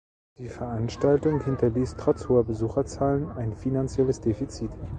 Die Veranstaltung hinterließ trotz hoher Besucherzahlen ein finanzielles Defizit.